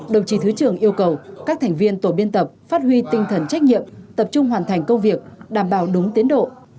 đồng chí thứ trưởng yêu cầu các thành viên tổ biên tập phát huy tinh thần trách nhiệm tập trung hoàn thành công việc đảm bảo đúng tiến độ